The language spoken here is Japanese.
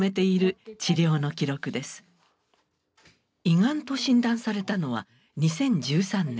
胃がんと診断されたのは２０１３年。